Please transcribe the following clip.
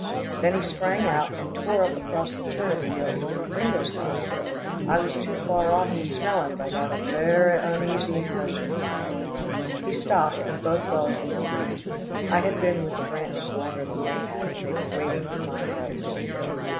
Then he sprang out, and tore up across the turnip field toward Gringo's house. I was too far off to smell him, but I got a verra uneasy impression." He stopped, and both dogs looked at me. I had been with the Grantons longer than they had, and they were waiting for my advice.